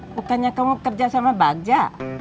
bukannya kamu kerja sama baja